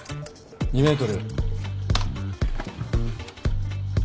２ｍ。